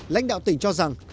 lãnh đạo tỉnh cho rằng